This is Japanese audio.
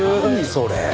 それ。